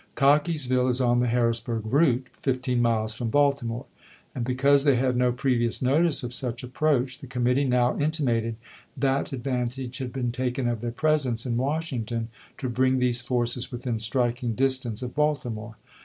132 ABRAHAM LINCOLN Chap. VI. Cockeysville is on the Harrisbm'g route, fifteen miles from Baltimore; and because they had no previous notice of such approach, the committee now intimated that advantage had been taken of then presence in Washington to bring these forces within striking distance of Baltimore.